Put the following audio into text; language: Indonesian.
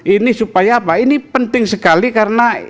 ini supaya apa ini penting sekali karena